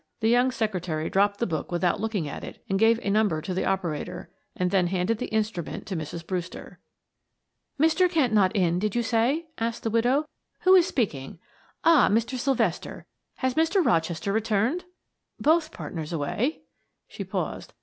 The young secretary dropped the book without looking at it, and gave a number to the operator, and then handed the instrument to Mrs. Brewster. "Mr. Kent not in, did you say?" asked the widow. "Who is speaking? Ah, Mr. Sylvester has Mr. Rochester returned? Both partners away"... she paused...